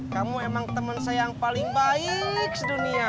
kamu emang temen saya yang paling baik sedunia